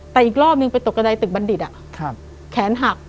แต่อีกรอบนึงไปตกกระดายตึกบัณฑิตแขนหัก